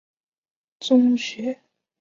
中学时期也是的剧团团员。